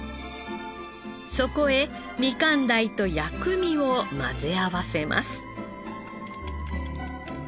そこへみかん鯛と薬味を混ぜ合わせます。